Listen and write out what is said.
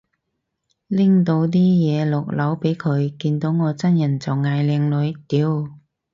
拎到啲嘢落樓俾佢，見到我真人就嗌靚女，屌